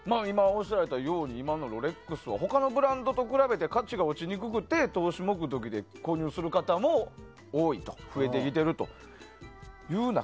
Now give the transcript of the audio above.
今のロレックスは他のブランドと比べて価値が落ちにくくて投資目的で購入する方も多い増えてきているという中